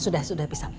sudah sudah bisa